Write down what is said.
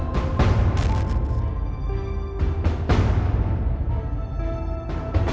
ก็จะเห็นตัวเนื้อคดีอย่างในที่สุดเนอะ